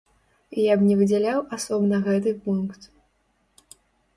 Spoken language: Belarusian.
Я б не выдзяляў асобна гэты пункт.